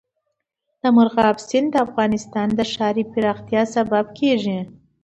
مورغاب سیند د افغانستان د ښاري پراختیا سبب کېږي.